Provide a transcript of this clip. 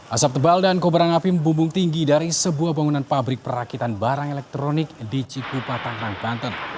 asap tebal dan kobaran api membumbung tinggi dari sebuah bangunan pabrik perakitan barang elektronik di cikupa tangerang banten